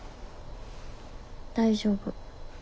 大丈夫。